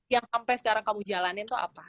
yang sampai sekarang kamu jalanin tuh apa